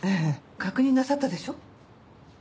確認なさったでしょ？